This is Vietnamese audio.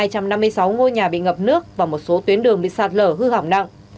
trong ngày hôm nay hai trăm năm mươi sáu ngôi nhà bị ngập nước và một số tuyến đường bị sạt lở hư hỏng nặng